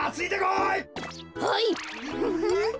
はい。